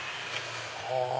はぁ！